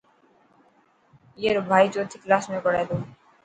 اي رو ڀائي چوٿي ڪلاس ۾ پهري تو.